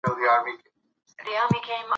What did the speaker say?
تحلیل باید په هره سطحه کې وسي.